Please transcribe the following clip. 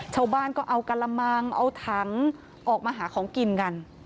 ชาวบ้านก็เอากะละมังเอาถังออกมาหาของกินกัน